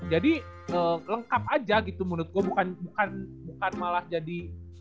jadi lengkap aja gitu menurut gua bukan malah jadi